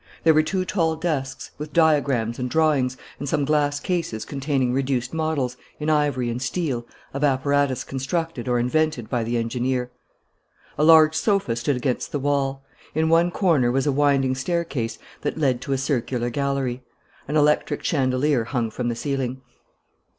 There were two tall desks, with diagrams and drawings, and some glass cases containing reduced models, in ivory and steel, of apparatus constructed or invented by the engineer. A large sofa stood against the wall. In one corner was a winding staircase that led to a circular gallery. An electric chandelier hung from the ceiling.